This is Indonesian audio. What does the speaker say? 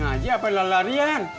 ngaji apa lari larian